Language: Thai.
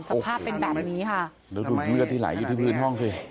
สภาพเป็นแบบนี้ค่ะแล้วดูเลือดที่ไหลอยู่ที่พื้นห้องสิ